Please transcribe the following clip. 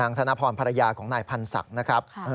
นางธนพรภรรยาของนายพรรษักนะครับ